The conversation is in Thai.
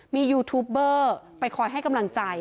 มียูทูปเบอร์ไปคอยให้กำลังใจ